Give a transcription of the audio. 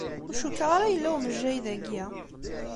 Ur cukkeɣ ara yella umejjay dagi.